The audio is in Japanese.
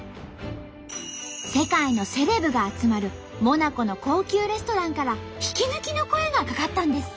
世界のセレブが集まるモナコの高級レストランから引き抜きの声がかかったんです。